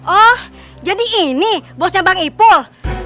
oh jadi ini bosnya bang ipul